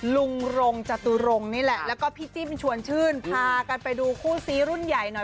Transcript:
ลุงรงจตุรงค์นี่แหละแล้วก็พี่จิ้มชวนชื่นพากันไปดูคู่ซีรุ่นใหญ่หน่อย